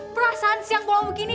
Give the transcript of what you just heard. perasaan siang belum begini